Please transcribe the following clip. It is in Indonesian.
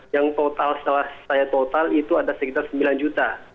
yang total setelah saya total itu ada sekitar sembilan juta